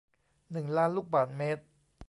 หนึ่งล้าน ลูกบาศก์เมตร